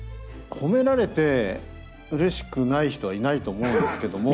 褒められてうれしくない人はいないと思うんですけども。